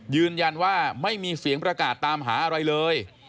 ยืนยันว่าไม่มีเสียงประกาศตามหาอะไรเลย